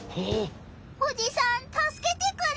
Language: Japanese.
おじさんたすけてくれ！